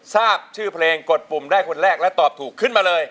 ทราบชื่อเพลงกดปุ่มได้คนแรกและตอบถูกขึ้นมาเลย